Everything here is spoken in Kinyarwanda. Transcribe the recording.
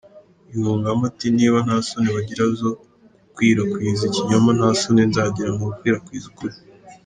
Yungamo ati’’Niba nta soni bagira zo gukwirakwiza ikinyoma, ntasoni nzagira mu gukwirakwiza ukuli.